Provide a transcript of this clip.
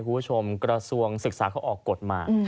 คุณผู้ชมกระทรวงศึกษาเขาออกกฎมา